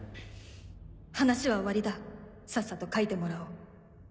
話は終わりださっさと描いてもらおう。